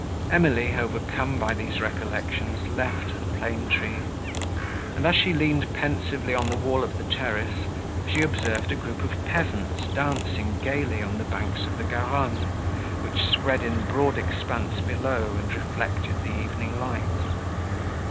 Emily, overcome by these recollections, left the plane tree, and, as she leaned pensively on the wall of the terrace, she observed a group of peasants dancing gaily on the banks of the Garonne, which spread in broad expanse below, and reflected the evening light.